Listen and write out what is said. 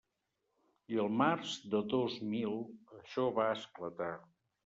I el març de dos mil això va esclatar.